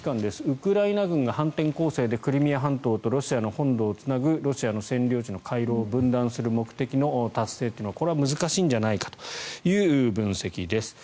ウクライナ軍が反転攻勢でクリミア半島とロシアの本土をつなぐロシアの占領地の回廊を分断する目的の達成というのは、これは難しいんじゃないかという分析です。